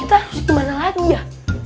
kita harus kemana lagi ya